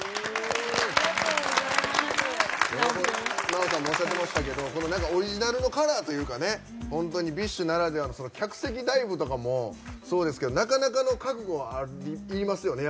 ナヲさんもおっしゃってましたけどオリジナルのカラーというか本当にＢｉＳＨならではの客席ダイブとかもそうですけどなかなかの覚悟がいりますよね